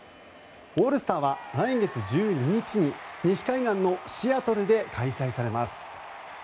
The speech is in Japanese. オールスターは来月１２日に西海岸のシアトルで開催されます。